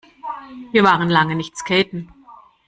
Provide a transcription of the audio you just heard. Wir waren lange nicht skaten.